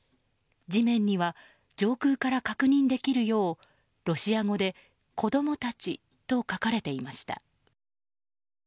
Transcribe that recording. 地面には上空から確認できるようロシア語で「子供たち」と書かれていました。